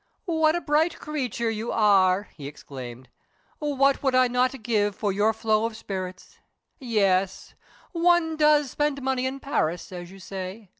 "What a bright creature you are!" he exclaimed. "What would I not give for your flow of spirits! Yes one does spend money in Paris, as you say.